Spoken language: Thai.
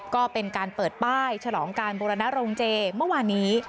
ก็เป็นการเปิดป้ายฉลองการบูรณโรงเจเมื่อวานนี้